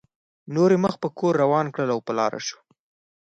نور یې مخ په کور روان کړل او په لاره شو.